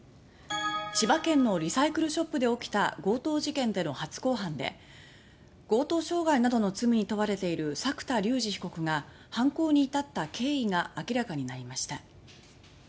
千葉県のリサイクルショップで起きた強盗事件での初公判で強盗傷害などの罪に問われている作田竜二被告が犯行に至った経緯が明らかになりました。